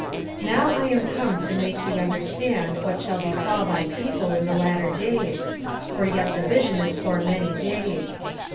27:010:014 Now I am come to make thee understand what shall befall thy people in the latter days: for yet the vision is for many days.